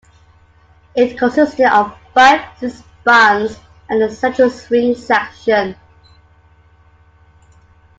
It consisted of five fixed spans and a central swing section.